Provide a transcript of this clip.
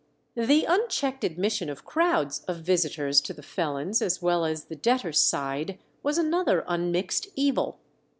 The unchecked admission of crowds of visitors to the felons' as well as the debtors' side was another unmixed evil.